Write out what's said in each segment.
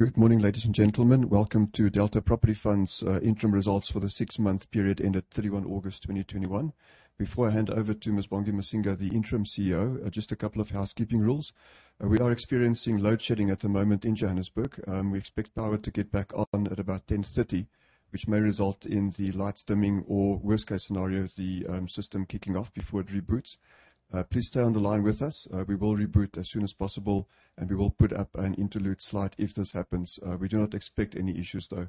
Good morning, ladies and gentlemen. Welcome to Delta Property Fund's interim results for the six-month period ended August 31st, 2021. Before I hand over to Ms. Bongi Masinga, the Interim CEO, just a couple of housekeeping rules. We are experiencing load shedding at the moment in Johannesburg. We expect power to get back on at about 10:30 A.M., which may result in the lights dimming or worst case scenario, the system kicking off before it reboots. Please stay on the line with us. We will reboot as soon as possible, and we will put up an interlude slide if this happens. We do not expect any issues, though.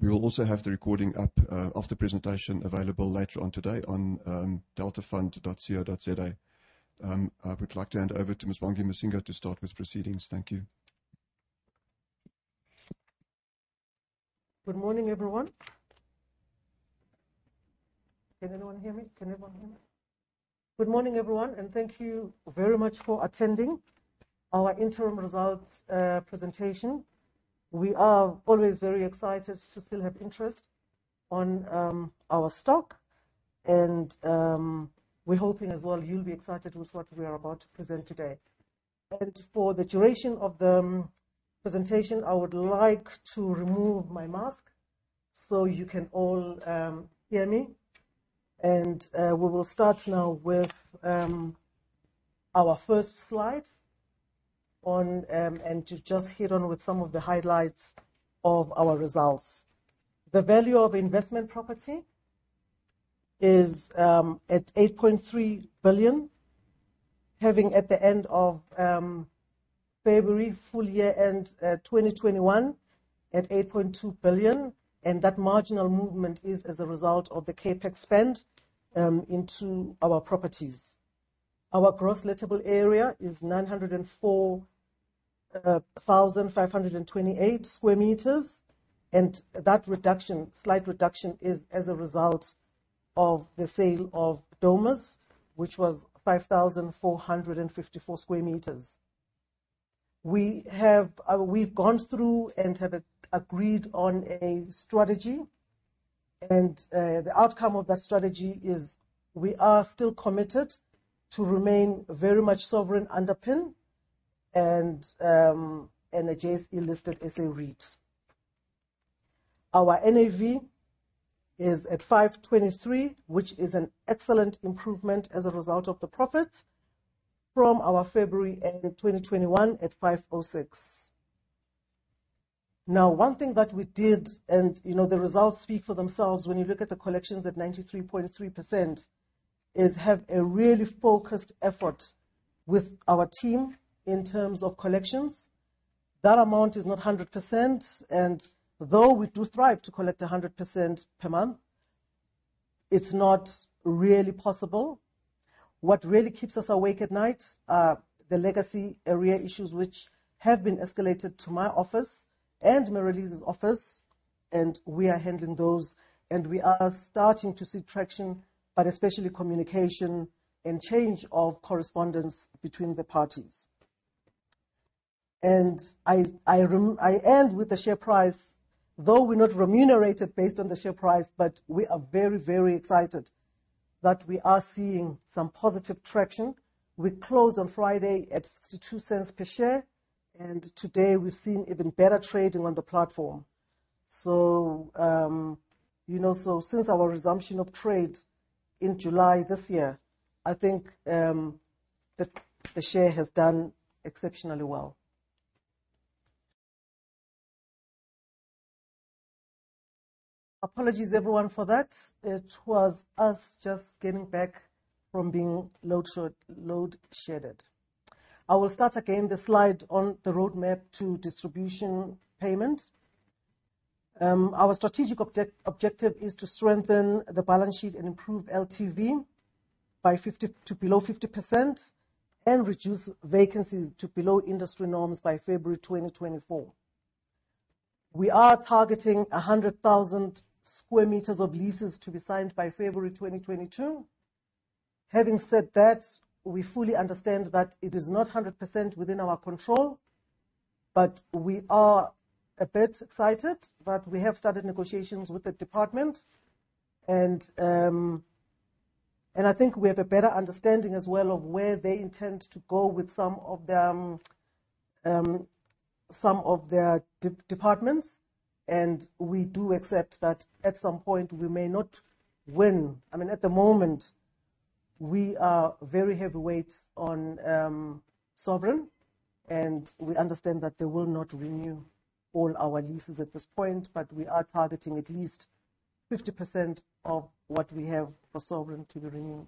We will also have the recording up of the presentation available later on today on deltafund.co.za. I would like to hand over to Ms. Bongi Masinga to start with proceedings. Thank you. Good morning, everyone. Can anyone hear me? Can everyone hear me? Good morning, everyone, and thank you very much for attending our interim results presentation. We are always very excited to still have interest on our stock and we're hoping as well you'll be excited with what we are about to present today. For the duration of the presentation, I would like to remove my mask so you can all hear me. We will start now with our first slide on. To just hit on with some of the highlights of our results. The value of investment property is at 8.3 billion, having at the end of February full year end 2021 at 8.2 billion, and that marginal movement is as a result of the CapEx spend into our properties. Our gross lettable area is 904,528 sq m, and that reduction, slight reduction is as a result of the sale of Domus, which was 5,454 sq m. We've gone through and have agreed on a strategy, and the outcome of that strategy is we are still committed to remain very much sovereign underpinned and a JSE listed SA REIT. Our NAV is at 5.23, which is an excellent improvement as a result of the profit from our February end 2021 at 5.06. Now, one thing that we did, and, you know, the results speak for themselves when you look at the collections at 93.3%, is have a really focused effort with our team in terms of collections. That amount is not 100%, and though we do strive to collect 100% per month, it's not really possible. What really keeps us awake at night are the legacy arrear issues which have been escalated to my office and Marelise's office, and we are handling those, and we are starting to see traction, but especially communication and change of correspondence between the parties. I end with the share price. Though we're not remunerated based on the share price, but we are very, very excited that we are seeing some positive traction. We closed on Friday at 0.62 per share, and today we've seen even better trading on the platform. You know, so since our resumption of trade in July this year, I think, the share has done exceptionally well. Apologies, everyone, for that. It was us just getting back from being load shedding. I will start again the slide on the roadmap to distribution payment. Our strategic objective is to strengthen the balance sheet and improve LTV to below 50% and reduce vacancy to below industry norms by February 2024. We are targeting 100,000 sq m of leases to be signed by February 2022. Having said that, we fully understand that it is not 100% within our control, but we are a bit excited. We have started negotiations with the department and I think we have a better understanding as well of where they intend to go with some of their departments. We do accept that at some point we may not win. I mean, at the moment, we are heavily weighted on sovereign, and we understand that they will not renew all our leases at this point, but we are targeting at least 50% of what we have for sovereign to be renewed.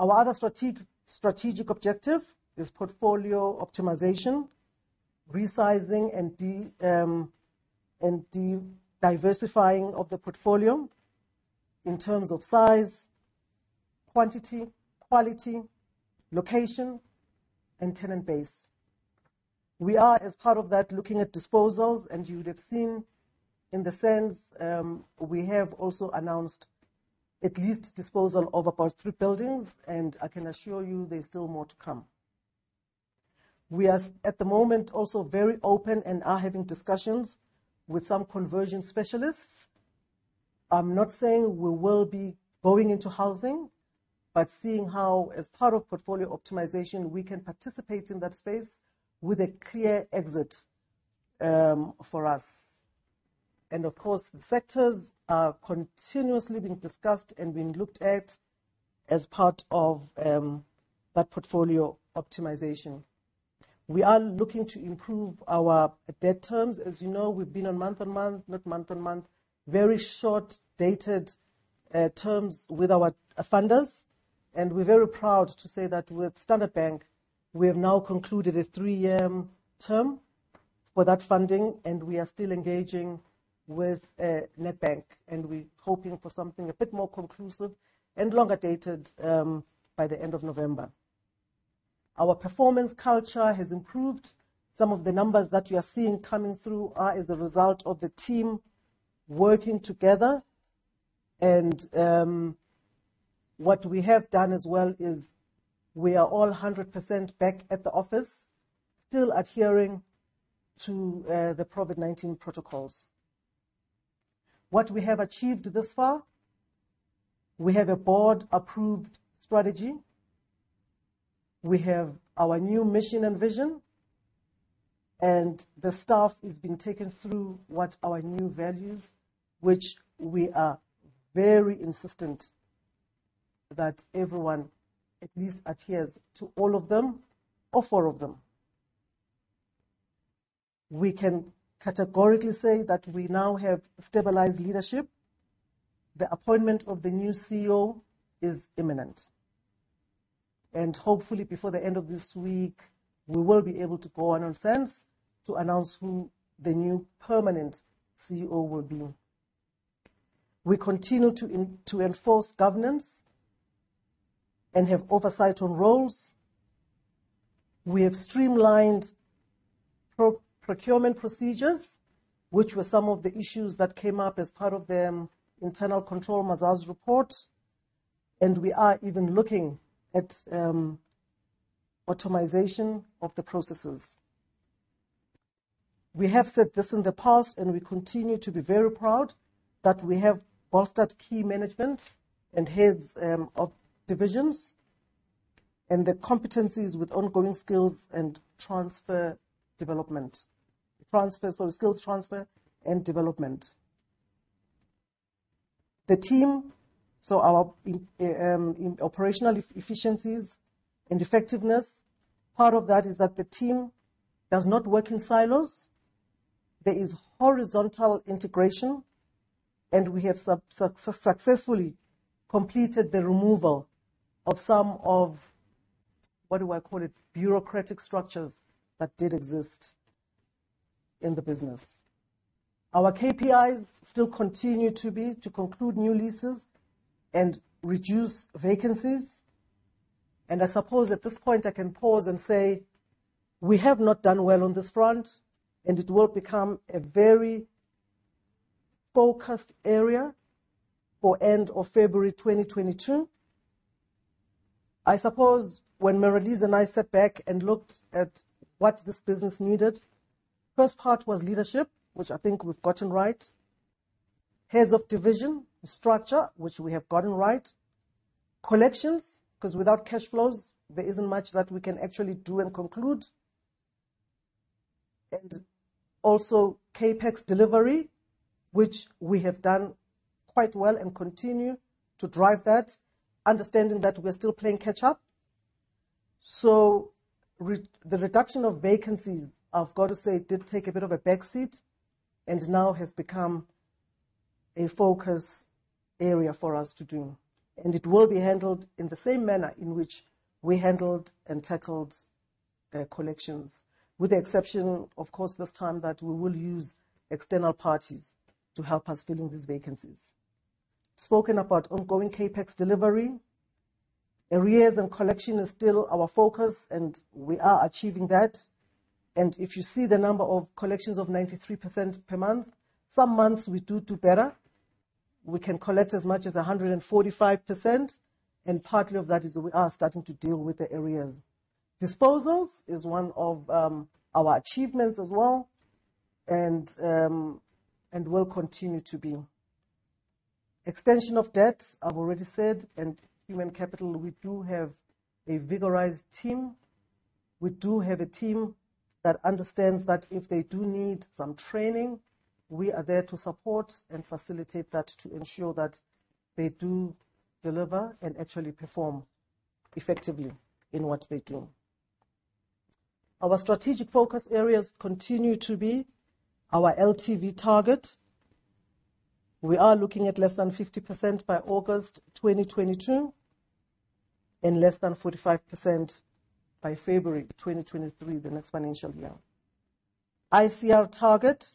Our other strategic objective is portfolio optimization, resizing, and de-diversifying of the portfolio in terms of size, quantity, quality, location, and tenant base. We are, as part of that, looking at disposals, and you'd have seen in the SENS we have also announced latest disposal of about three buildings, and I can assure you there's still more to come. We are, at the moment, also very open and are having discussions with some conversion specialists. I'm not saying we will be going into housing, but seeing how, as part of portfolio optimization, we can participate in that space with a clear exit, for us. Of course, the sectors are continuously being discussed and being looked at as part of that portfolio optimization. We are looking to improve our debt terms. As you know, we've been on month-on-month, not month-on-month, very short dated terms with our funders, and we're very proud to say that with Standard Bank, we have now concluded a three-year term for that funding and we are still engaging with Nedbank, and we're hoping for something a bit more conclusive and longer-dated by the end of November. Our performance culture has improved. Some of the numbers that you're seeing coming through are as a result of the team working together and what we have done as well is we are all 100% back at the office, still adhering to the COVID-19 protocols. What we have achieved thus far, we have a Board-approved strategy. We have our new mission and vision, and the staff is being taken through what our new values, which we are very insistent that everyone at least adheres to all of them, or four of them. We can categorically say that we now have stabilized leadership. The appointment of the new CEO is imminent, and hopefully before the end of this week, we will be able to go on ourselves to announce who the new permanent CEO will be. We continue to enforce governance and have oversight on roles. We have streamlined procurement procedures, which were some of the issues that came up as part of the internal control Mazars report, and we are even looking at automation of the processes. We have said this in the past, and we continue to be very proud that we have bolstered key management and heads of divisions, and their competencies with ongoing skills transfer and development. The team in operational efficiencies and effectiveness, part of that is that the team does not work in silos. There is horizontal integration, and we have successfully completed the removal of some of, what do I call it, bureaucratic structures that did exist in the business. Our KPIs still continue to be to conclude new leases and reduce vacancies, and I suppose at this point I can pause and say we have not done well on this front, and it will become a very focused area for end of February 2022. I suppose when Marelise and I sat back and looked at what this business needed, first part was leadership, which I think we've gotten right. Heads of division, structure, which we have gotten right. Collections, 'cause without cash flows there isn't much that we can actually do and conclude. Also, CapEx delivery, which we have done quite well and continue to drive that, understanding that we're still playing catch up. So, the reduction of vacancies, I've got to say, did take a bit of a back seat and now has become a focus area for us to do. It will be handled in the same manner in which we handled and tackled collections, with the exception, of course, this time that we will use external parties to help us filling these vacancies. We've spoken about ongoing CapEx delivery. Arrears and collection is still our focus, and we are achieving that. If you see the number of collections of 93% per month, some months we do better. We can collect as much as 145%, and part of that is we are starting to deal with the arrears. Disposals is one of our achievements as well and will continue to be. Extension of debt, I've already said, and human capital, we do have a vigorous team. We do have a team that understands that if they do need some training, we are there to support and facilitate that to ensure that they do deliver and actually perform effectively in what they do. Our strategic focus areas continue to be our LTV target. We are looking at less than 50% by August 2022, and less than 45% by February 2023, the next financial year. ICR target,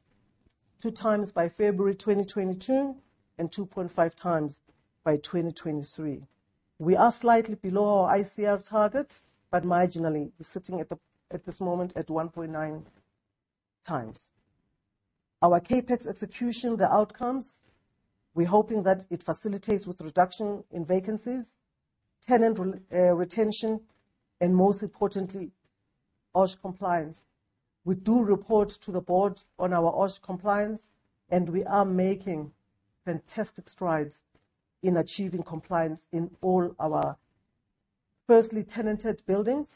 2x by February 2022 and 2.5x by 2023. We are slightly below our ICR target, but marginally. We're sitting at this moment at 1.9x. Our CapEx execution, the outcomes, we're hoping that it facilitates with reduction in vacancies, tenant retention, and most importantly OSH compliance. We report to the Board on our OHS compliance, and we are making fantastic strides in achieving compliance in all our firstly tenanted buildings,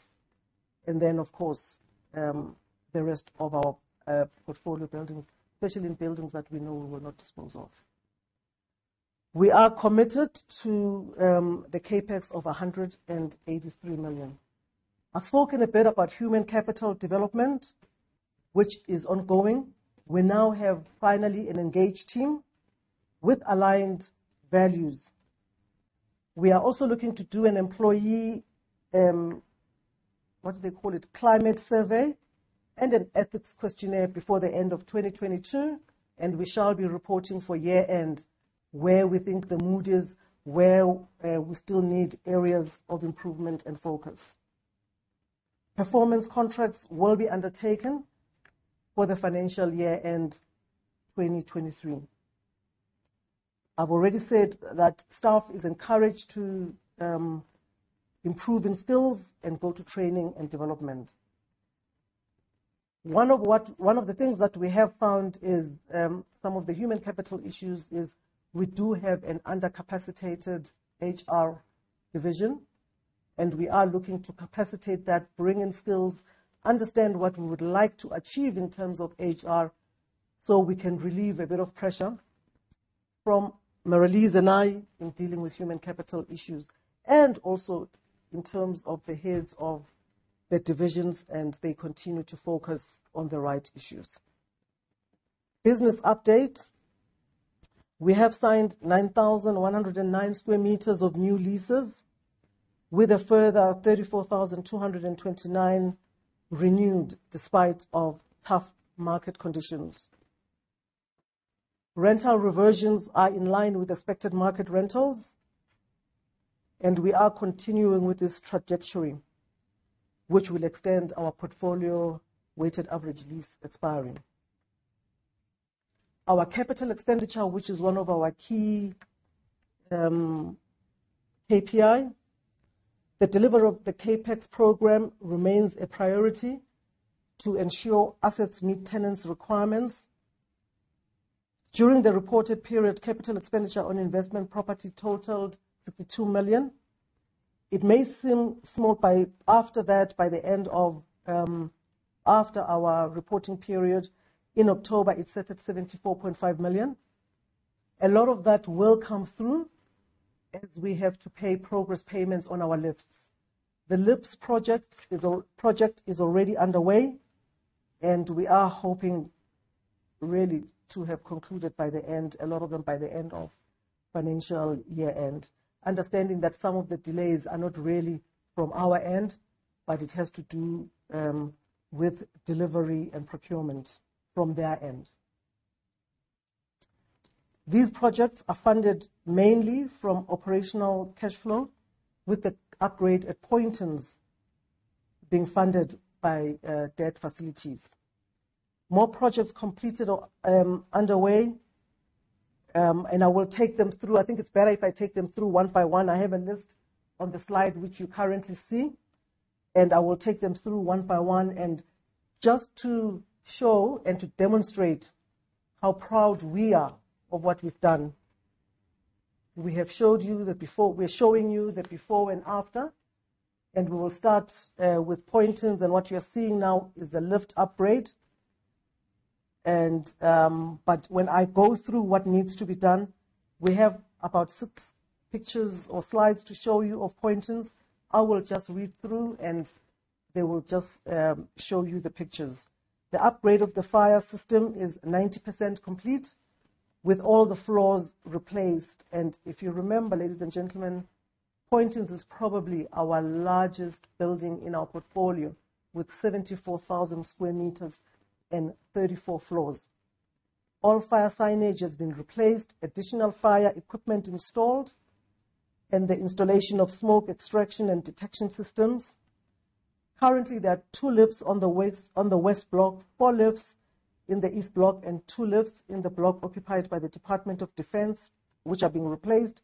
and then, of course, the rest of our portfolio buildings, especially in buildings that we know we will not dispose of. We are committed to the CapEx of 183 million. I've spoken a bit about human capital development, which is ongoing. We now have finally an engaged team with aligned values. We are also looking to do an employee climate survey and an ethics questionnaire before the end of 2022, and we shall be reporting for year-end where we think the mood is, where we still need areas of improvement and focus. Performance contracts will be undertaken for the financial year-end 2023. I've already said that staff is encouraged to improve in skills and go to training and development. One of the things that we have found is some of the human capital issues is we do have an under-capacitated HR division, and we are looking to capacitate that, bring in skills, understand what we would like to achieve in terms of HR, so we can relieve a bit of pressure from Marelise and I in dealing with human capital issues and also in terms of the heads of the divisions, and they continue to focus on the right issues. Business update. We have signed 9,109 sq m of new leases with a further 34,229 renewed despite tough market conditions. Rental reversions are in line with expected market rentals, and we are continuing with this trajectory, which will extend our portfolio weighted average lease expiring. Our capital expenditure, which is one of our key KPIs. The delivery of the CapEx program remains a priority to ensure assets meet tenants' requirements. During the reported period, capital expenditure on investment property totaled 52 million. It may seem small after our reporting period. In October, it sat at 74.5 million. A lot of that will come through as we have to pay progress payments on our lifts. The lifts project is already underway, and we are hoping really to have concluded by the end, a lot of them, by the end of financial year-end, understanding that some of the delays are not really from our end, but it has to do with delivery and procurement from their end. These projects are funded mainly from operational cashflow with the upgrade at Poyntons being funded by debt facilities. More projects completed or underway, and I will take them through. I think it's better if I take them through one-by-one. I have a list on the slide which you currently see, and I will take them through one-by-one and just to show and to demonstrate how proud we are of what we've done. We're showing you the before and after, and we will start with Poyntons, and what you're seeing now is the lift upgrade. When I go through what needs to be done, we have about six pictures or slides to show you of Poyntons. I will just read through, and they will just show you the pictures. The upgrade of the fire system is 90% complete, with all the floors replaced. If you remember, ladies and gentlemen, Poyntons is probably our largest building in our portfolio, with 74,000 sq m and 34 floors. All fire signage has been replaced, additional fire equipment installed, and the installation of smoke extraction and detection systems. Currently, there are two lifts on the west block, four lifts in the east block, and two lifts in the block occupied by the Department of Defence, which are being replaced.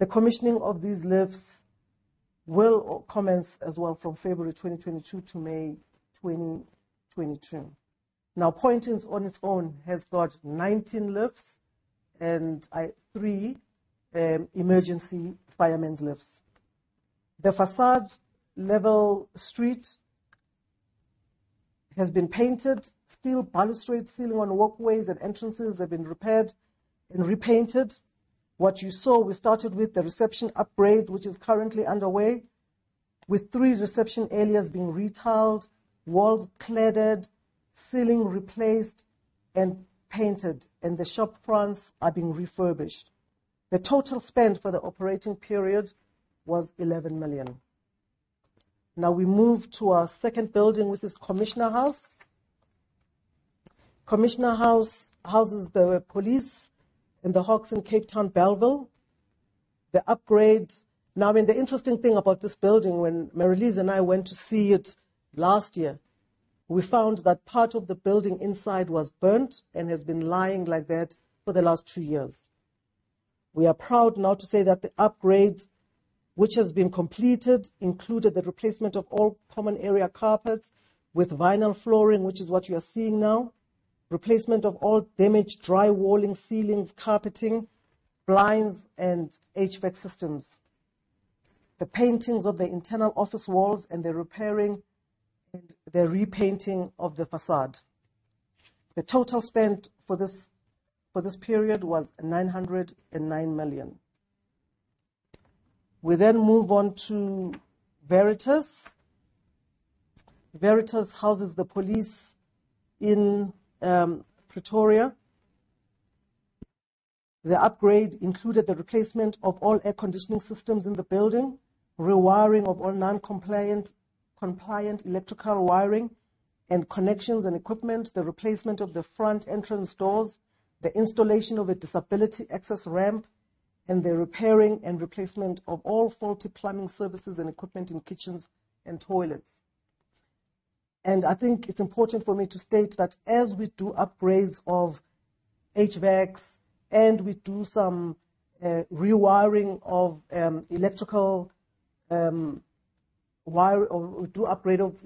The commissioning of these lifts will commence as well from February 2022 to May 2022. Now, Poyntons on its own has got 19 lifts and three emergency firemen's lifts. The facade level street has been painted. Steel balustrade ceiling on walkways and entrances have been repaired and repainted. What you saw, we started with the reception upgrade, which is currently underway, with three reception areas being retiled, walls cladded, ceiling replaced and painted, and the shop fronts are being refurbished. The total spend for the operating period was 11 million. Now we move to our second building, which is Commissioner House. Commissioner House houses the police and the Hawks in Cape Town, Bellville. Now, I mean, the interesting thing about this building, when Marelise and I went to see it last year, we found that part of the building inside was burnt and has been lying like that for the last two years. We are proud now to say that the upgrade which has been completed included the replacement of all common area carpets with vinyl flooring, which is what you are seeing now. Replacement of all damaged dry walling, ceilings, carpeting, blinds, and HVAC systems. The paintings of the internal office walls and the repainting of the facade. The total spent for this period was 909 million. We move on to Veritas. Veritas houses the police in Pretoria. The upgrade included the replacement of all air conditioning systems in the building, rewiring of all non-compliant electrical wiring and connections and equipment, the replacement of the front entrance doors, the installation of a disability access ramp, and the repairing and replacement of all faulty plumbing services and equipment in kitchens and toilets. I think it's important for me to state that as we do upgrades of HVACs and we do some rewiring of electrical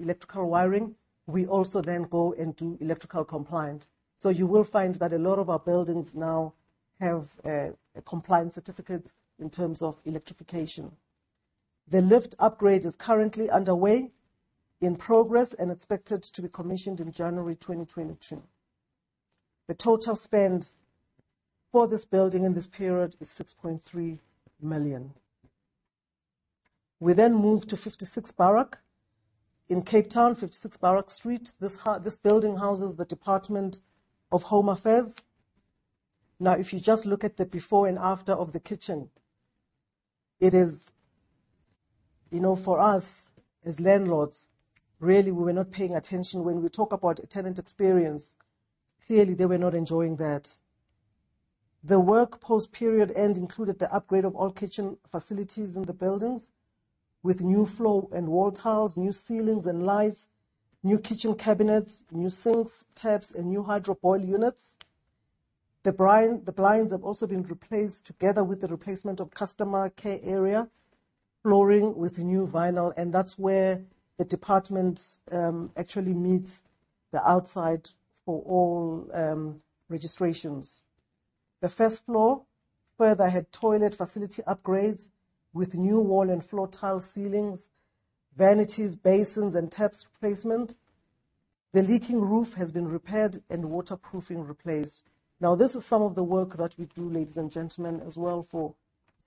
wiring, we also then go and do electrical compliance. You will find that a lot of our buildings now have a compliance certificate in terms of electrification. The lift upgrade is currently underway and in progress and expected to be commissioned in January 2022. The total spend for this building in this period is 6.3 million. We move to 56 Barrack. In Cape Town, 56 Barrack Street. This building houses the Department of Home Affairs. Now, if you just look at the before and after of the kitchen, it is. You know, for us, as landlords, really, we were not paying attention. When we talk about tenant experience, clearly, they were not enjoying that. The work post-period end included the upgrade of all kitchen facilities in the buildings with new floor and wall tiles, new ceilings and lights, new kitchen cabinets, new sinks, taps, and new hydro boil units. The blind, the blinds have also been replaced together with the replacement of customer care area flooring with new vinyl, and that's where the department, actually meets the outside for all, registrations. The first floor further had toilet facility upgrades with new wall and floor tile ceilings, vanities, basins and taps replacement. The leaking roof has been repaired and waterproofing replaced. Now, this is some of the work that we do, ladies and gentlemen, as well for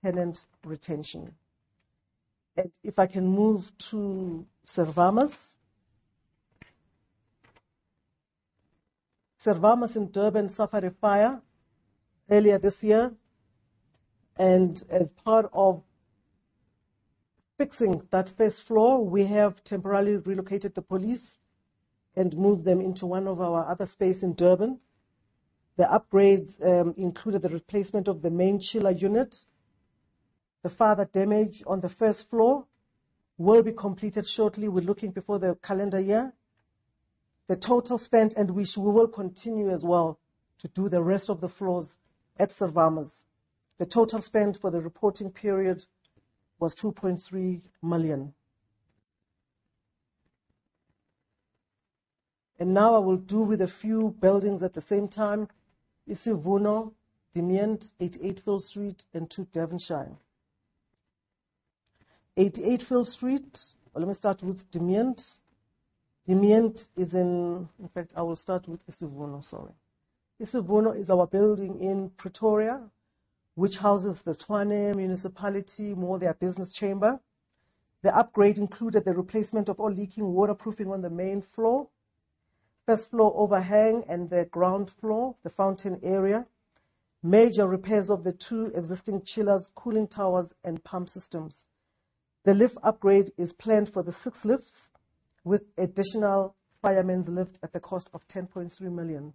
tenant retention. If I can move to Servamus. Servamus in Durban suffered a fire earlier this year, and as part of fixing that first floor, we have temporarily relocated the police and moved them into one of our other space in Durban. The upgrades included the replacement of the main chiller unit. The fire that damaged on the first floor will be completed shortly, we're looking before the calendar year. The total spent, and we will continue as well to do the rest of the floors at Servamus. The total spend for the reporting period was 2.3 million. Now I will deal with a few buildings at the same time. Isivuno, Dimient, 88 Field Street, and 2 Devonshire. 88 Field Street. Well, let me start with Dimient. In fact, I will start with Isivuno. Sorry. Isivuno is our building in Pretoria, which houses the Tshwane Municipality, more their business chamber. The upgrade included the replacement of all leaking waterproofing on the main floor, first floor overhang and the ground floor, the fountain area, major repairs of the two existing chillers, cooling towers and pump systems. The lift upgrade is planned for the six lifts, with additional fireman's lift at the cost of 10.3 million.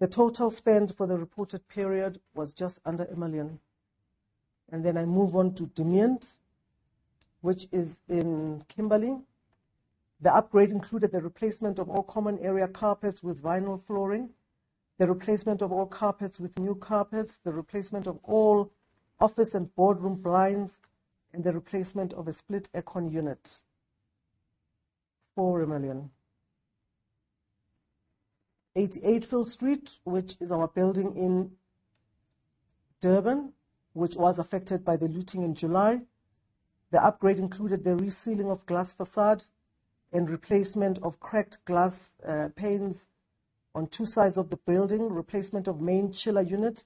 The total spend for the reported period was just under 1 million. Then I move on to Dimient, which is in Kimberley. The upgrade included the replacement of all common area carpets with vinyl flooring, the replacement of all carpets with new carpets, the replacement of all office and boardroom blinds, and the replacement of a split air con unit. 4 million. 88 Field Street, which is our building in Durban, which was affected by the looting in July. The upgrade included the resealing of glass facade and replacement of cracked glass, panes on two sides of the building, replacement of main chiller unit,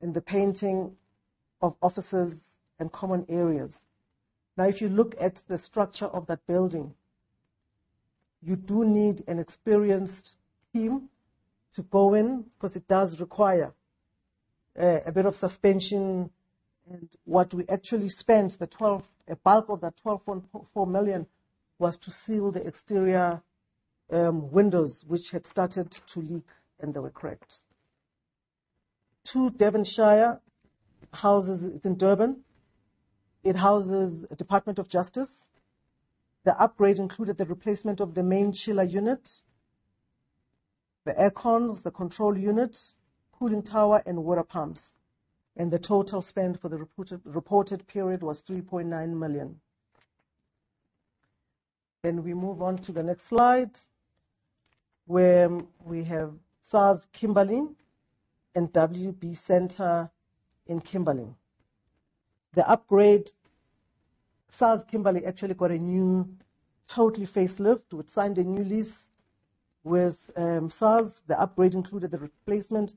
and the painting of offices and common areas. Now, if you look at the structure of that building, you do need an experienced team to go in, 'cause it does require a bit of suspension. What we actually spent, a bulk of that 12.4 million was to seal the exterior windows, which had started to leak and they were cracked. Devonshire in Durban houses the Department of Justice. The upgrade included the replacement of the main chiller unit, the air cons, the control units, cooling tower, and water pumps. The total spend for the reported period was 3.9 million. We move on to the next slide, where we have SARS Kimberley and WB Centre in Kimberley. The upgrade SARS Kimberley actually got a new total facelift. We'd signed a new lease with SARS. The upgrade included the replacement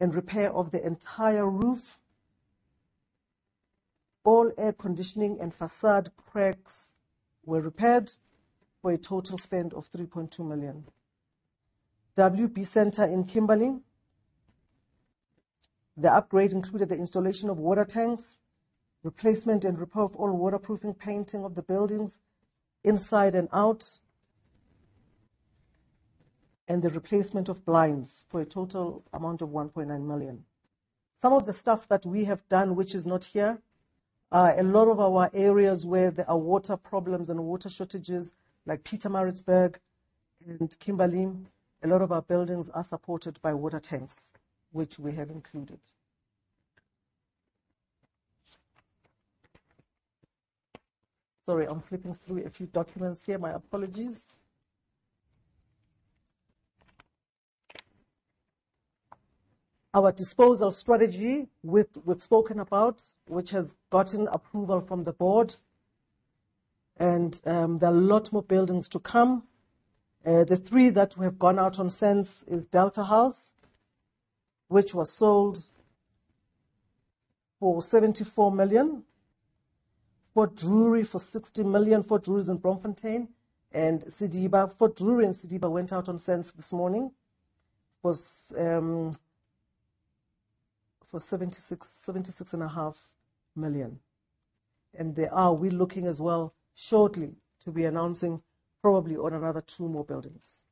and repair of the entire roof. All air conditioning and facade cracks were repaired for a total spend of 3.2 million. WB Centre in Kimberley, the upgrade included the installation of water tanks, replacement and repair of all waterproofing, painting of the buildings inside and out, and the replacement of blinds for a total amount of 1.9 million. Some of the stuff that we have done, which is not here, a lot of our areas where there are water problems and water shortages, like Pietermaritzburg and Kimberley, a lot of our buildings are supported by water tanks, which we have included. Sorry, I'm flipping through a few documents here. My apologies. Our disposal strategy we've spoken about, which has gotten approval from the Board and there are a lot more buildings to come. The three that we have gone out on since is Delta House, which was sold for 74 million. Fort Drury for 60 million. Fort Drury's in Bloemfontein and Sediba. Fort Drury and Sediba went out on sale this morning for 76 and a half million. We're looking as well shortly to be announcing probably on another two more buildings.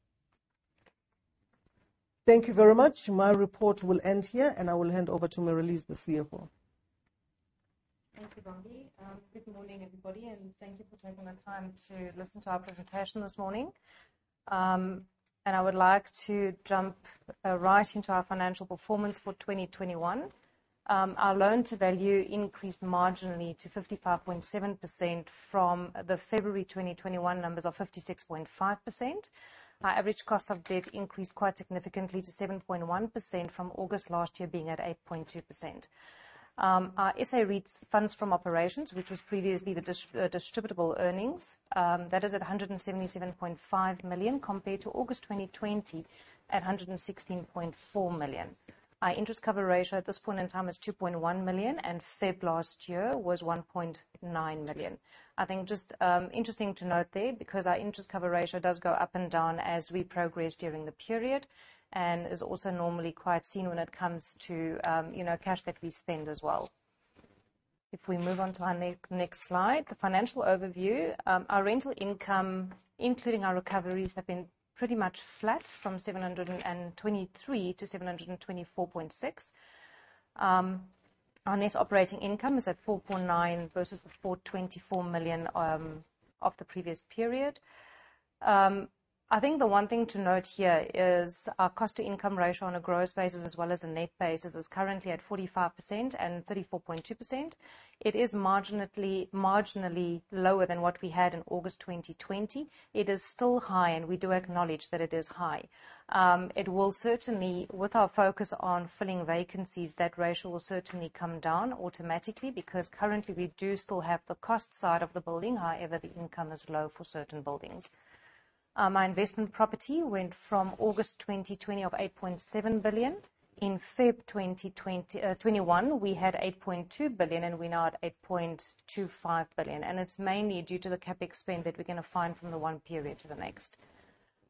Thank you very much. My report will end here, and I will hand over to Marelise, the CFO. Thank you, Bongi. Good morning, everybody, and thank you for taking the time to listen to our presentation this morning. I would like to jump right into our financial performance for 2021. Our loan to value increased marginally to 55.7% from the February 2021 numbers of 56.5%. Our average cost of debt increased quite significantly to 7.1% from August last year being at 8.2%. Our SA REIT funds from operations, which was previously the distributable earnings, that is at 177.5 million compared to August 2020 at 116.4 million. Our interest cover ratio at this point in time is 2.1, and February last year was 1.9. I think just interesting to note there, because our interest cover ratio does go up and down as we progress during the period and is also normally quite sensitive when it comes to, you know, cash that we spend as well. If we move on to our next slide, the financial overview. Our rental income, including our recoveries, have been pretty much flat from 72.3 million-72.46 million. Our net operating income is at 49 million versus the 42.4 million of the previous period. I think the one thing to note here is our cost to income ratio on a gross basis as well as the net basis is currently at 45% and 34.2%. It is marginally lower than what we had in August 2020. It is still high, and we do acknowledge that it is high. It will certainly, with our focus on filling vacancies, that ratio will certainly come down automatically because currently we do still have the cost side of the building. However, the income is low for certain buildings. My investment property went from August 2020 of 8.7 billion. In February 2021, we had 8.2 billion, and we're now at 8.25 billion. It's mainly due to the CapEx spend that we're gonna find from the one period to the next.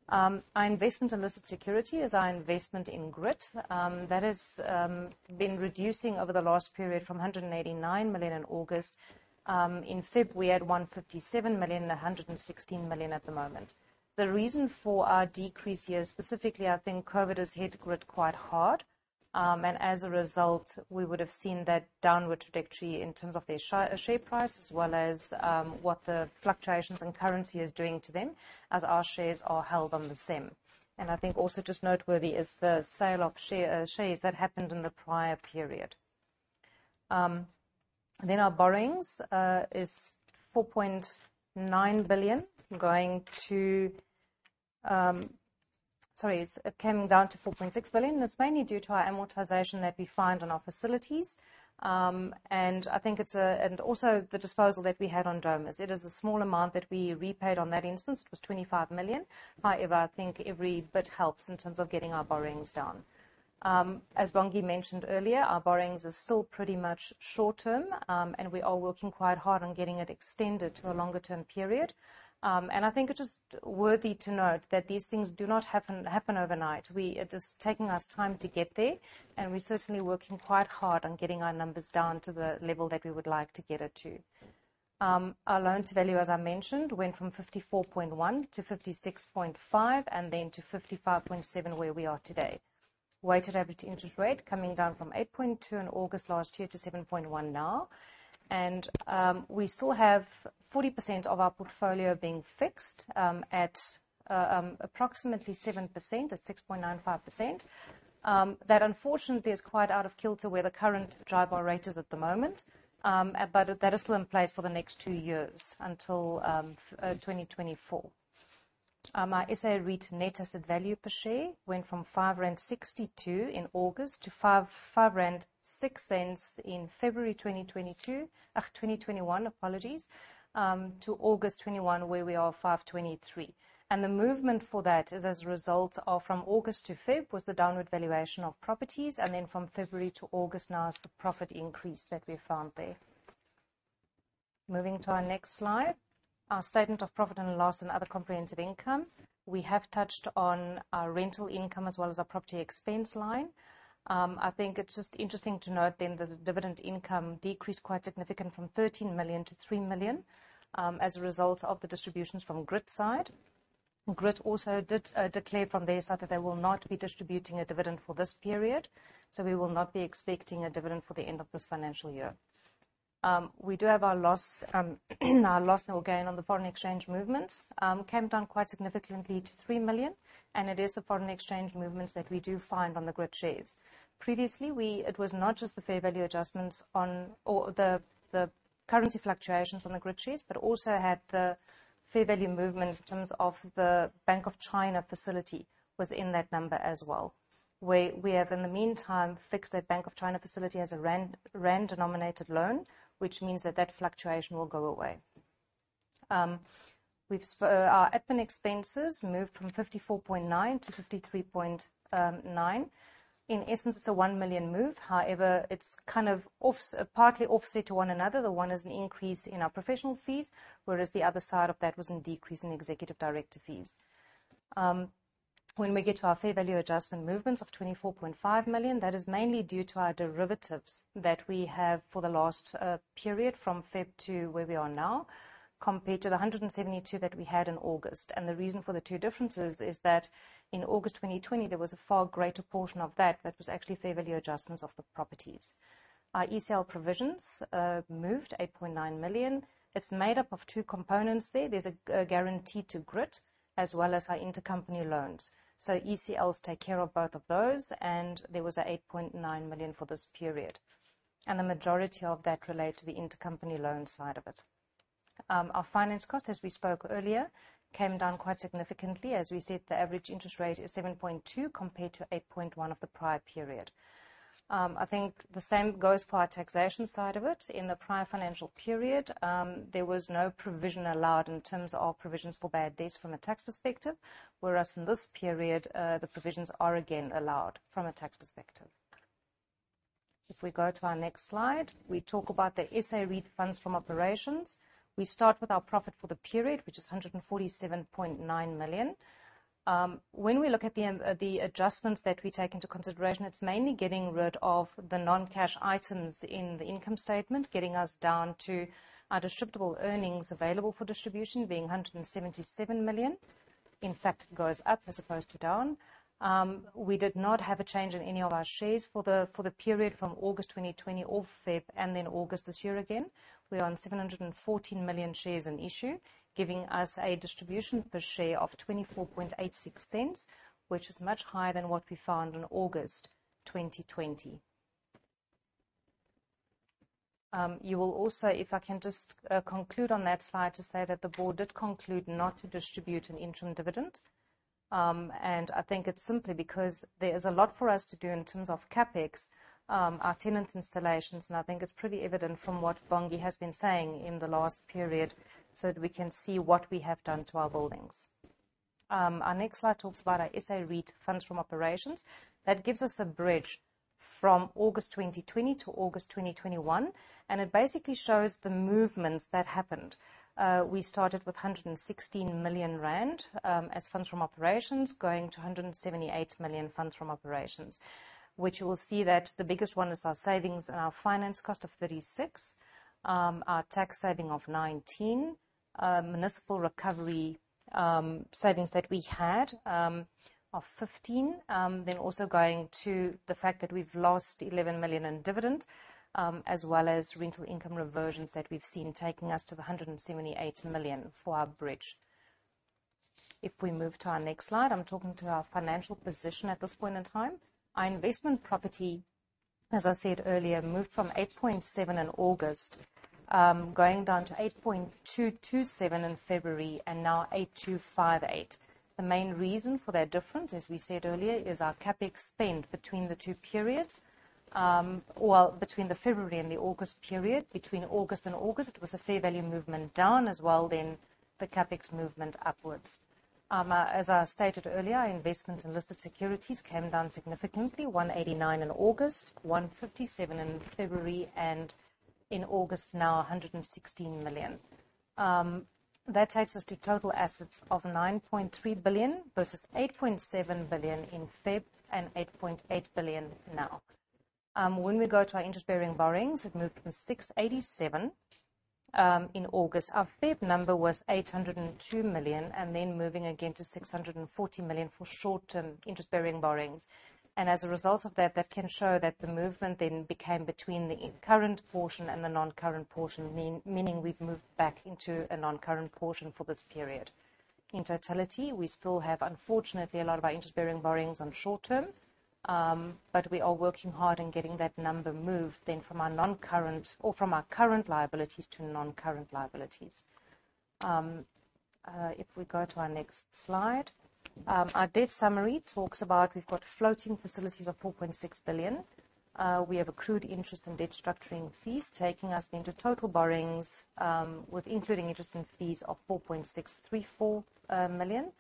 Our investment in listed security is our investment in Grit. That has been reducing over the last period from 189 million in August. In February, we had 157 million, 116 million at the moment. The reason for our decrease here, specifically, I think COVID has hit Grit quite hard. As a result, we would have seen that downward trajectory in terms of their share price as well as what the fluctuations in currency is doing to them as our shares are held on the same. I think also just noteworthy is the sale of shares that happened in the prior period. Our borrowings is 4.9 billion, came down to 4.6 billion. It's mainly due to our amortization that we find on our facilities. I think also the disposal that we had on Domus. It is a small amount that we repaid on that instance, it was 25 million. However, I think every bit helps in terms of getting our borrowings down. As Bongi mentioned earlier, our borrowings are still pretty much short term, and we are working quite hard on getting it extended to a longer term period. I think it's just worthy to note that these things do not happen overnight. It is taking us time to get there, and we're certainly working quite hard on getting our numbers down to the level that we would like to get it to. Our loan to value, as I mentioned, went from 54.1%-56.5% and then to 55.7%, where we are today. Weighted average interest rate coming down from 8.2% in August last year to 7.1% now. We still have 40% of our portfolio being fixed at approximately 7% or 6.95%. That unfortunately is quite out of kilter where the current JIBAR rate is at the moment. But that is still in place for the next two years until 2024. Our SA REIT net asset value per share went from 5.62 rand in August to 5.56 rand in February 2021, apologies, to August 2021, where we are 5.23. The movement for that is as a result of from August to February, was the downward valuation of properties. From February to August now is the profit increase that we found there. Moving to our next slide, our statement of profit and loss and other comprehensive income. We have touched on our rental income as well as our property expense line. I think it's just interesting to note then that the dividend income decreased quite significant from 13 million-3 million, as a result of the distributions from Grit's side. Grit also did declare from their side that they will not be distributing a dividend for this period, so we will not be expecting a dividend for the end of this financial year. We do have our loss and gain on the foreign exchange movements came down quite significantly to 3 million, and it is the foreign exchange movements that we do find on the Grit shares. Previously, we It was not just the fair value adjustments on or the currency fluctuations on the Grit shares, but also the fair value movement in terms of the Bank of China facility was in that number as well. We have in the meantime fixed that Bank of China facility as a rand-denominated loan, which means that that fluctuation will go away. Our admin expenses moved from 54.9 million-53.9 million. In essence, it's a 1 million move. However, it's kind of off, partly offset to one another. The one is an increase in our professional fees, whereas the other side of that was a decrease in executive director fees. When we get to our fair value adjustment movements of 24.5 million, that is mainly due to our derivatives that we have for the last period from February to where we are now, compared to the 172 million that we had in August. The reason for the two differences is that in August 2020, there was a far greater portion of that that was actually fair value adjustments of the properties. Our ECL provisions moved 8.9 million. It's made up of two components there. There's a guarantee to Grit as well as our intercompany loans. So ECLs take care of both of those, and there was 8.9 million for this period. The majority of that relate to the intercompany loan side of it. Our finance cost, as we spoke earlier, came down quite significantly. As we said, the average interest rate is 7.2% compared to 8.1% of the prior period. I think the same goes for our taxation side of it. In the prior financial period, there was no provision allowed in terms of provisions for bad debts from a tax perspective, whereas in this period, the provisions are again allowed from a tax perspective. If we go to our next slide, we talk about the SA REIT funds from operations. We start with our profit for the period, which is 147.9 million. When we look at the adjustments that we take into consideration, it's mainly getting rid of the non-cash items in the income statement, getting us down to our distributable earnings available for distribution, being 177 million. In fact, it goes up as opposed to down. We did not have a change in any of our shares for the period from August 2020 to February, and then August this year again. We own 714 million shares in issue, giving us a distribution per share of 0.2486, which is much higher than what we found in August 2020. You will also, if I can just conclude on that slide, to say that the Board did conclude not to distribute an interim dividend. I think it's simply because there is a lot for us to do in terms of CapEx, our tenant installations, and I think it's pretty evident from what Bongi has been saying in the last period, so that we can see what we have done to our buildings. Our next slide talks about our SA REIT funds from operations. That gives us a bridge from August 2020 to August 2021, and it basically shows the movements that happened. We started with 116 million rand as funds from operations, going to 178 million funds from operations, which you will see that the biggest one is our savings in our finance cost of 36 million, our tax saving of 19 million, municipal recovery savings that we had of 15 million. Also going to the fact that we've lost 11 million in dividend, as well as rental income reversions that we've seen taking us to the 178 million for our bridge. If we move to our next slide, I'm talking about our financial position at this point in time. Our investment property, as I said earlier, moved from 8.7% in August, going down to 8.227% in February and now 8.258%. The main reason for that difference, as we said earlier, is our CapEx spend between the two periods. Well, between the February and the August period, it was a fair value movement down as well then the CapEx movement upwards. As I stated earlier, our investment in listed securities came down significantly, 189 million in August, 157 million in February, and in August now, 116 million. That takes us to total assets of 9.3 billion versus 8.7 billion in February and 8.8 billion now. When we go to our interest bearing borrowings, it moved from 687 million in August. Our February number was 802 million, and then moving again to 640 million for short-term interest bearing borrowings. As a result of that can show that the movement then became between the current portion and the non-current portion, meaning we've moved back into a non-current portion for this period. In totality, we still have, unfortunately, a lot of our interest bearing borrowings on short-term. But we are working hard in getting that number moved then from a non-current or from our current liabilities to non-current liabilities. If we go to our next slide, our debt summary talks about we've got floating facilities of 4.6 billion. We have accrued interest and debt structuring fees taking us into total borrowings, with including interest and fees of 4.634 billion.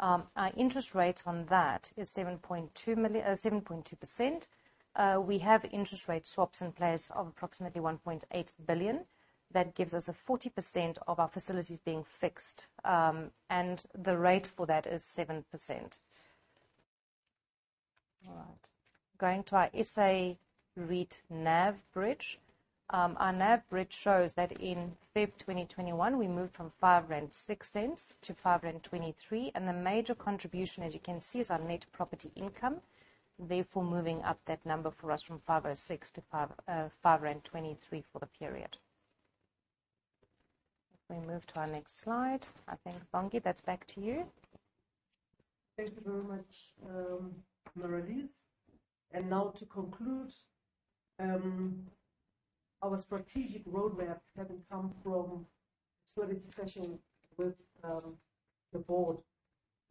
Our interest rate on that is 7.2%. We have interest rate swaps in place of approximately 1.8 billion. That gives us 40% of our facilities being fixed, and the rate for that is 7%. All right. Going to our SA REIT NAV bridge. Our NAV bridge shows that in Feb 2021, we moved from 5.06-5.23 rand, and the major contribution, as you can see, is our net property income, therefore moving up that number for us from 5.06-5.23 for the period. If we move to our next slide, I think, Bongi, that's back to you. Thank you very much, Marelise. Now to conclude our strategic roadmap, having come from strategy session with the Board,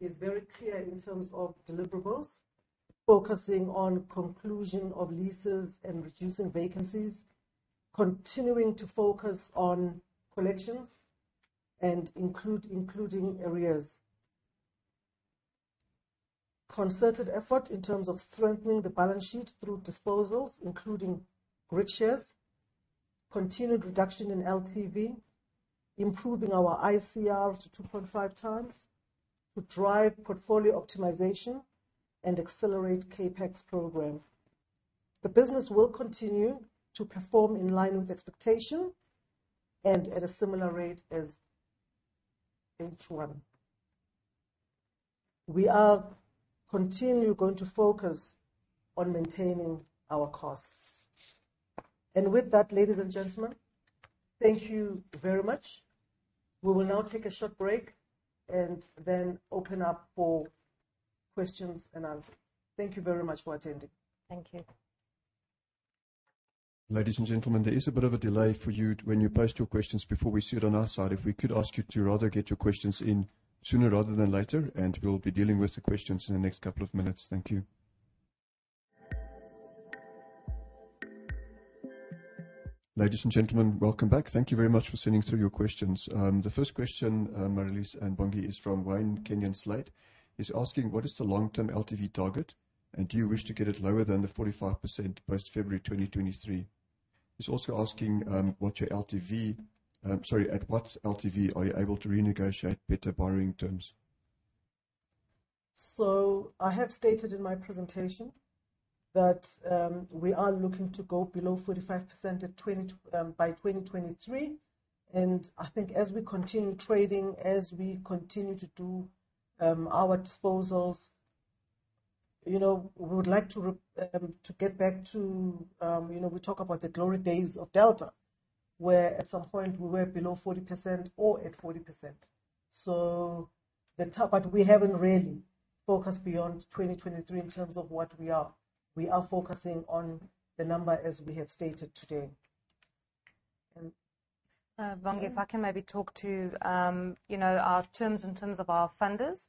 is very clear in terms of deliverables, focusing on conclusion of leases and reducing vacancies, continuing to focus on collections and including arrears. Concerted effort in terms of strengthening the balance sheet through disposals, including Grit shares, continued reduction in LTV, improving our ICR to 2.5x to drive portfolio optimization and accelerate CapEx program. The business will continue to perform in line with expectation and at a similar rate as H1. We are continually going to focus on maintaining our costs. With that, ladies and gentlemen, thank you very much. We will now take a short break and then open up for questions-and-answers. Thank you very much for attending. Thank you. Ladies and gentlemen, there is a bit of a delay for you when you post your questions before we see it on our side. If we could ask you to rather get your questions in sooner rather than later, and we'll be dealing with the questions in the next couple of minutes. Thank you. Ladies and gentlemen, welcome back. Thank you very much for sending through your questions. The first question, Marelise and Bongi Masinga, is from Wayne Kenyon-Slate. He's asking, What is the long-term LTV target, and do you wish to get it lower than the 45% post-February 2023? He's also asking, at what LTV are you able to renegotiate better borrowing terms? I have stated in my presentation that we are looking to go below 45% at 20 by 2023. I think as we continue trading, as we continue to do our disposals, you know, we would like to get back to, you know, we talk about the glory days of Delta, where at some point we were below 40% or at 40%. But we haven't really focused beyond 2023 in terms of what we are. We are focusing on the number as we have stated today. Bongi, if I can maybe talk to, you know, our terms in terms of our funders.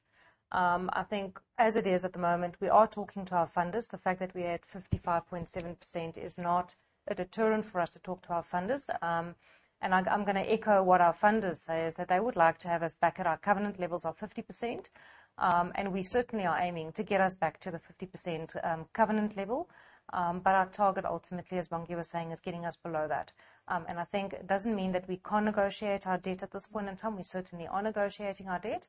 I think as it is at the moment, we are talking to our funders. The fact that we're at 55.7% is not a deterrent for us to talk to our funders. I’m gonna echo what our funders say, is that they would like to have us back at our covenant levels of 50%. We certainly are aiming to get us back to the 50% covenant level. Our target, ultimately, as Bongi was saying, is getting us below that. I think it doesn't mean that we can't negotiate our debt at this point in time. We certainly are negotiating our debt.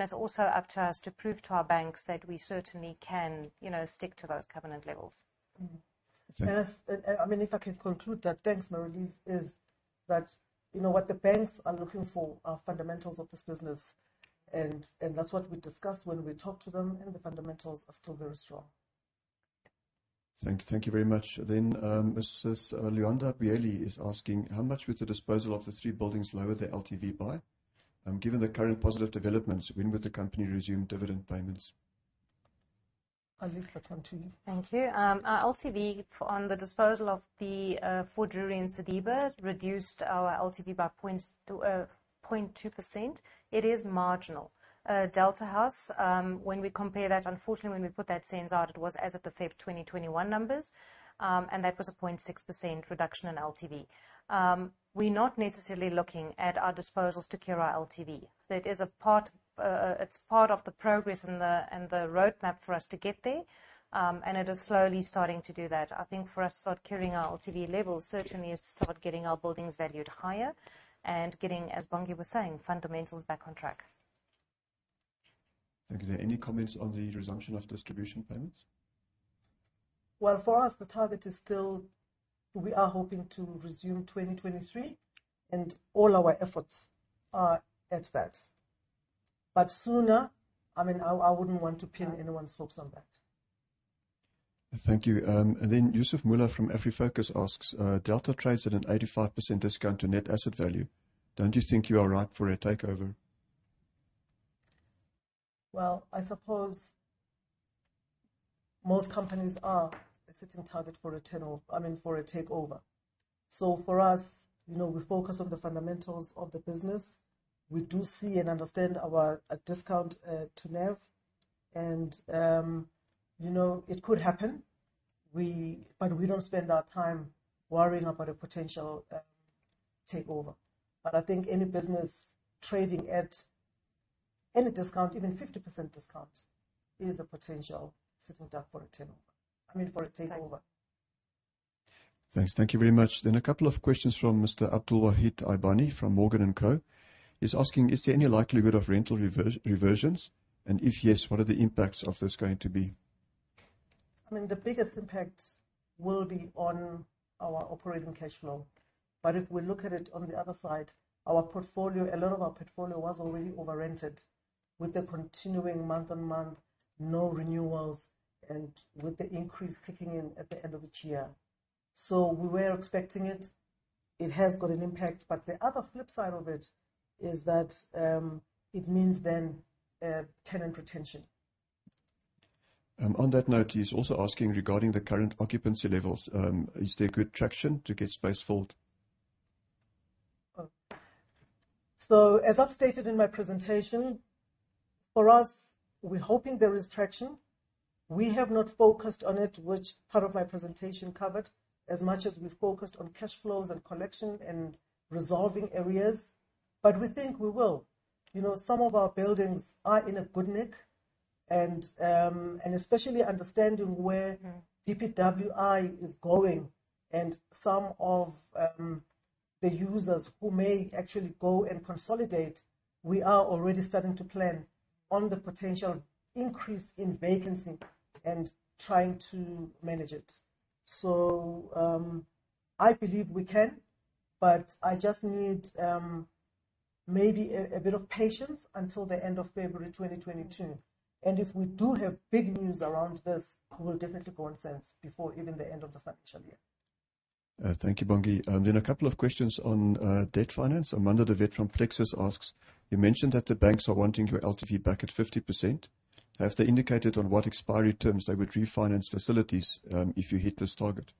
It's also up to us to prove to our banks that we certainly can, you know, stick to those covenant levels. Mm-hmm. Thank you. I mean, if I can conclude that, thanks, Marelise, that is, you know, what the banks are looking for are fundamentals of this business, and that's what we discuss when we talk to them, and the fundamentals are still very strong. Thank you very much. Mrs. Luanda Bieli is asking: How much would the disposal of the three buildings lower the LTV by? Given the current positive developments, when would the company resume dividend payments? I'll leave that one to you. Thank you. Our LTV on the disposal of the Fort Drury and Sediba reduced our LTV by 0.2%. It is marginal. Delta House, when we compare that, unfortunately, when we put that SENS out, it was as of the February 2021 numbers, and that was a 0.6% reduction in LTV. We're not necessarily looking at our disposals to cure our LTV. That is a part, it's part of the progress and the roadmap for us to get there. And it is slowly starting to do that. I think for us to start curing our LTV levels certainly is to start getting our buildings valued higher and getting, as Bongi was saying, fundamentals back on track. Thank you. Any comments on the resumption of distribution payments? Well, for us, the target is still. We are hoping to resume 2023, and all our efforts are at that. Sooner, I mean, I wouldn't want to pin anyone's hopes on that. Thank you. Yusuf Moola from Afrifocus asks, "Delta trades at an 85% discount to net asset value. Don't you think you are ripe for a takeover? Well, I suppose most companies are a sitting target for a takeover. For us, you know, we focus on the fundamentals of the business. We do see and understand our discount to NAV and, you know, it could happen. We don't spend our time worrying about a potential takeover. I think any business trading at any discount, even 50% discount, is a potential sitting duck for a takeover. Thanks. Thank you very much. A couple of questions from Mr. Abdul Wahid Albani from Morgan & Co. He's asking, "Is there any likelihood of rental reversions? And if yes, what are the impacts of this going to be? I mean, the biggest impact will be on our operating cash flow. If we look at it on the other side, our portfolio, a lot of our portfolio was already over-rented with the continuing month-on-month, no renewals, and with the increase kicking in at the end of each year. We were expecting it. It has got an impact, but the other flip side of it is that it means then tenant retention. On that note, he's also asking regarding the current occupancy levels, is there good traction to get space filled? As I've stated in my presentation, for us, we're hoping there is traction. We have not focused on it, which part of my presentation covered, as much as we've focused on cash flows and collection and resolving areas, but we think we will. You know, some of our buildings are in a good nick and especially understanding where DPWI is going and some of the users who may actually go and consolidate, we are already starting to plan on the potential increase in vacancy and trying to manage it. I believe we can, but I just need maybe a bit of patience until the end of February 2022. If we do have big news around this, we'll definitely go on SENS before even the end of the financial year. Thank you, Bongi. A couple of questions on debt finance. Amanda de Wet from Plexus asks, "You mentioned that the banks are wanting your LTV back at 50%. Have they indicated on what expiry terms they would refinance facilities, if you hit this target?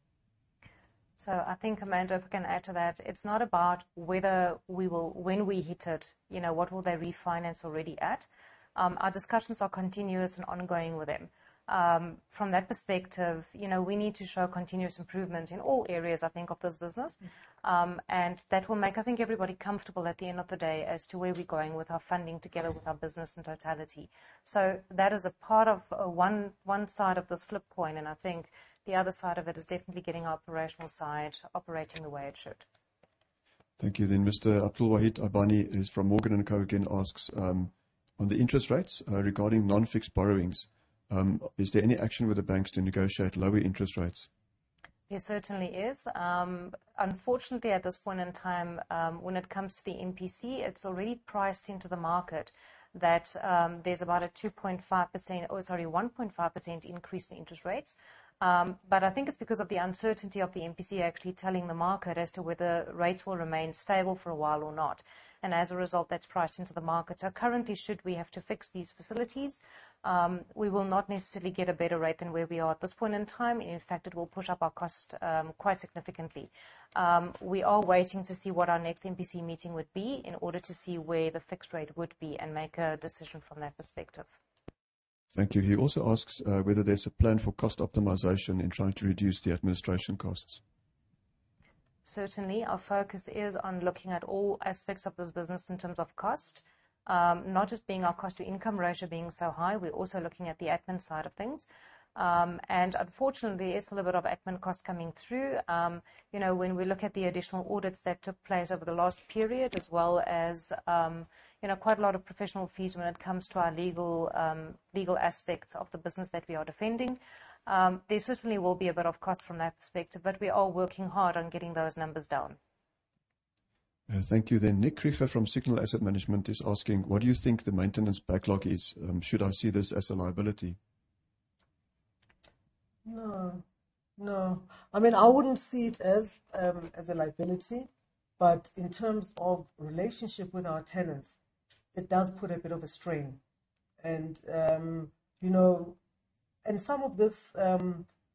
I think, Amanda, if we can add to that, it's not about when we hit it, you know, what will they refinance already at. Our discussions are continuous and ongoing with them. From that perspective, you know, we need to show continuous improvement in all areas, I think, of this business. And that will make, I think, everybody comfortable at the end of the day as to where we're going with our funding together with our business in totality. That is a part of one side of this flip point, and I think the other side of it is definitely getting our operational side operating the way it should. Thank you. Mr. Abdul Wahid Albani from Morgan & Co again asks, on the interest rates, regarding non-fixed borrowings, is there any action with the banks to negotiate lower interest rates? There certainly is. Unfortunately, at this point in time, when it comes to the MPC, it's already priced into the market that there's about a 1.5% increase in interest rates. I think it's because of the uncertainty of the MPC actually telling the market as to whether rates will remain stable for a while or not. As a result, that's priced into the market. Currently, should we have to fix these facilities, we will not necessarily get a better rate than where we are at this point in time. In fact, it will push up our cost quite significantly. We are waiting to see what our next MPC meeting would be in order to see where the fixed rate would be and make a decision from that perspective. Thank you. He also asks whether there's a plan for cost optimization in trying to reduce the administration costs. Certainly, our focus is on looking at all aspects of this business in terms of cost, not just being our cost to income ratio being so high, we're also looking at the admin side of things. Unfortunately, there's still a bit of admin cost coming through. You know, when we look at the additional audits that took place over the last period, as well as, you know, quite a lot of professional fees when it comes to our legal aspects of the business that we are defending, there certainly will be a bit of cost from that perspective, but we are working hard on getting those numbers down. Thank you. Nick Rieger from Signal Asset Management is asking, "What do you think the maintenance backlog is? Should I see this as a liability? No, no. I mean, I wouldn't see it as a liability, but in terms of relationship with our tenants, it does put a bit of a strain. You know, and some of this,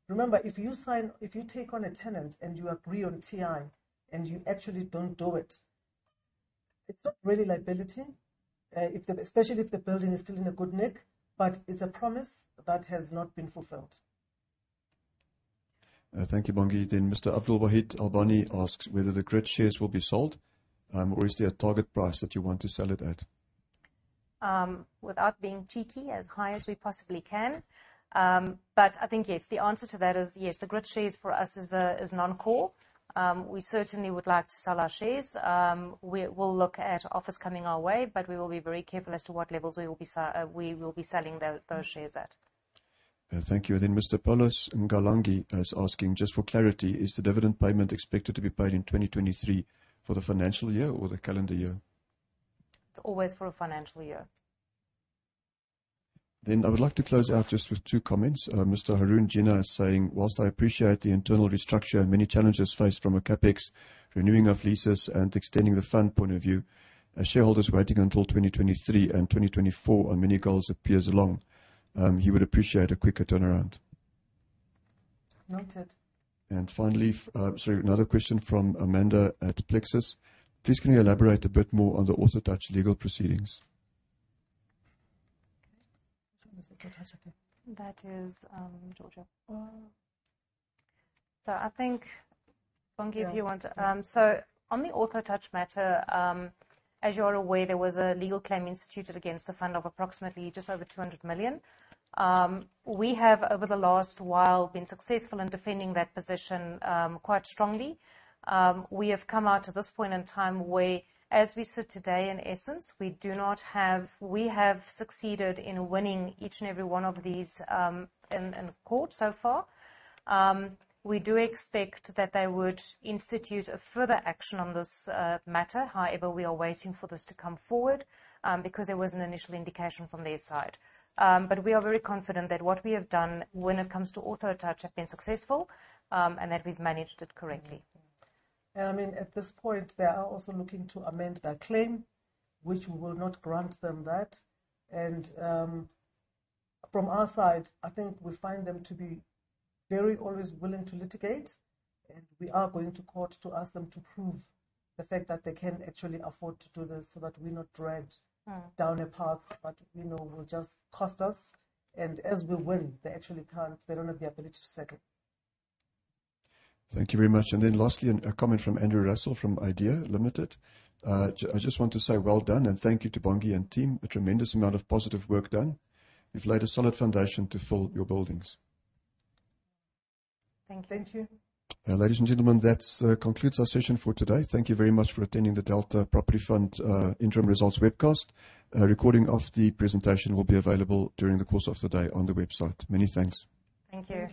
remember, if you take on a tenant and you agree on TI and you actually don't do it's not really liability, especially if the building is still in a good nick, but it's a promise that has not been fulfilled. Thank you, Bongi. Mr. Abdul Wahid Albani asks whether the Grit shares will be sold, or is there a target price that you want to sell it at? Without being cheeky, as high as we possibly can. I think, yes, the answer to that is yes. The Grit shares for us is non-core. We certainly would like to sell our shares. We'll look at offers coming our way, but we will be very careful as to what levels we will be selling those shares at. Thank you. Mr. Paulos Mgalangi is asking, just for clarity, is the dividend payment expected to be paid in 2023 for the financial year or the calendar year? It's always for a financial year. I would like to close out just with two comments. Mr. Harun Jenna is saying, while I appreciate the internal restructure and many challenges faced from a CapEx, renewing of leases, and extending the fund point of view, as shareholders waiting until 2023 and 2024 on many goals appears long, he would appreciate a quicker turnaround. Noted. Finally, sorry, another question from Amanda at Plexus. Please, can you elaborate a bit more on the Orthotouch legal proceedings? That is, Georgia. Uh. I think, Bongi, on the Orthotouch matter, as you are aware, there was a legal claim instituted against the fund of approximately just over 200 million. We have over the last while been successful in defending that position quite strongly. We have come out to this point in time where, as we sit today, in essence, we have succeeded in winning each and every one of these in court so far. We do expect that they would institute a further action on this matter. However, we are waiting for this to come forward because there was an initial indication from their side. But we are very confident that what we have done when it comes to Orthotouch have been successful, and that we've managed it correctly. I mean, at this point, they are also looking to amend their claim, which we will not grant them that. From our side, I think we always find them to be very willing to litigate, and we are going to court to ask them to prove the fact that they can actually afford to do this so that we're not dragged- Mm. down a path that we know will just cost us. As we win, they actually can't, they don't have the ability to settle. Thank you very much. Then lastly, a comment from Andrew Russell from Idea Limited. "I just want to say well done and thank you to Bongi and team. A tremendous amount of positive work done. You've laid a solid foundation to fill your buildings. Thank you. Thank you. Ladies and gentlemen, that concludes our session for today. Thank you very much for attending the Delta Property Fund interim results webcast. A recording of the presentation will be available during the course of the day on the website. Many thanks. Thank you.